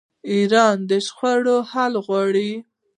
ایران د شخړو حل غواړي.